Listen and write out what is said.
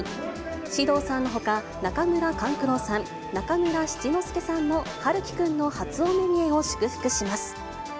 獅童さんのほか、中村勘九郎さん、中村七之助さんも、陽喜くんの初お目見えを祝福します。